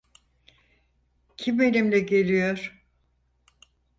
Kim benimle geliyor?